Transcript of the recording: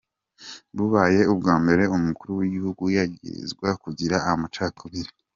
Bubaye ubwa mbere umukuru w'igihugu yagirizwa kugira amacakubiri.